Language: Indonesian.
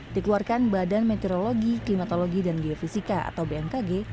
dikeluarkan badan meteorologi klimatologi dan geofisika atau bmkg